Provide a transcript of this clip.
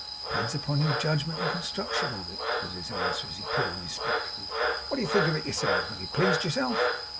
'That depends upon your judgment and construction of it,' was his answer, as he put on his spectacles. 'What do you think of it yourself? Have you pleased yourself?